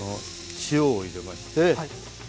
塩を入れまして。